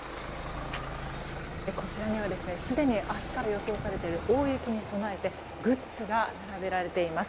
こちらにはすでに明日から予想されている大雪に備えてグッズが並べられています。